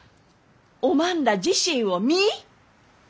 おまんら自身を見い！